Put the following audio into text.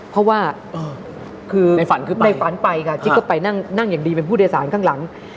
เพราะว่าคือในฝันคือในฝันไปค่ะจิ๊กก็ไปนั่งอย่างดีเป็นผู้โดยสารข้างหลัง